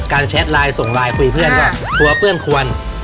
แชทไลน์ส่งไลน์คุยเพื่อนก็กลัวเพื่อนควร